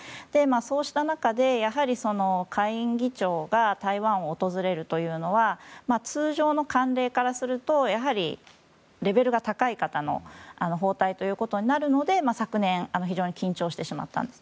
そうした中で、やはり下院議長が台湾を訪れるというのは通常の慣例からするとレベルが高い方の訪台ということになるので昨年、非常に緊張してしまったんです。